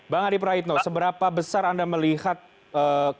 bang adi praitno seberapa besar anda melihat